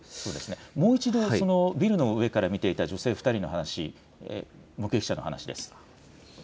もう１度、ビルの上から見ていた女性２人の話です。